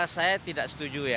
saya tidak setuju ya